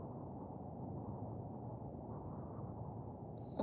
あ。